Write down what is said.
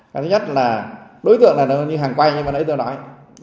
cái thứ nhất là đối tượng là như hàng quay như mà nãy tôi nói